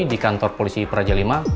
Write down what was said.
di kantor polisi praja v